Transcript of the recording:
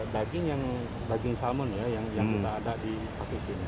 daging yang daging salmon ya yang sudah ada di patut sini